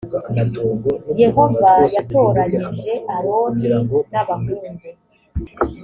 yehova yatoranyije aroni n abahungu